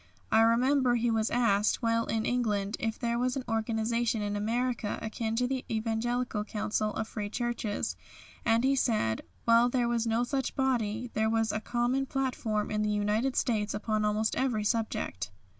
I remember he was asked, while in England, if there was an organisation in America akin to the Evangelical Council of Free Churches, and he said, while there was no such body, "there was a common platform in the United States upon almost every subject."